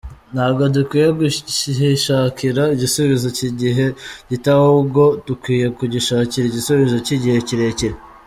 Ntago dukwiye kugishakira igisubizo cy’igihe gito ahubwo dukwiye kugishakira igisubizo cy’igihe kirekire’.